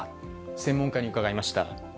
専門家に伺いました。